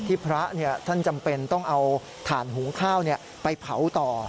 พระท่านจำเป็นต้องเอาถ่านหุงข้าวไปเผาต่อ